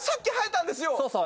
そうそう。